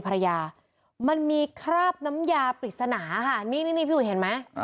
ภรรยามันมีคราบน้ำยาปริศนาค่ะนี่นี่นี่พี่อุ๋ยเห็นไหมอ่า